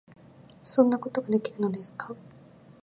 「そんなことができるのですか？」